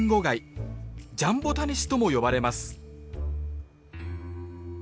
ジャンボタニシとも呼ばれます